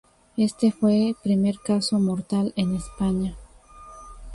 Éste fue primer caso mortal en España.